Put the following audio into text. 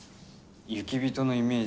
雪人のイメージ。